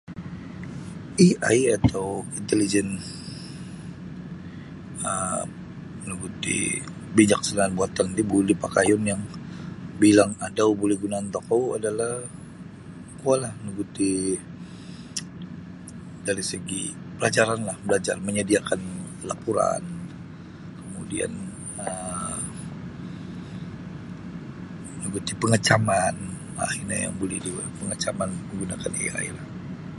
AI tu intelijen um nugu ti bijak [unintelligible] yang buli dipakaiyon yang bilang adau yang buli gunaan tokou adalah kuolah nugu ti dari segi pelajaran la belajar manyadiakan lapuran kemudian um nugu ti pengacaman yang mana bulih dipengacaman menggunakan AI lah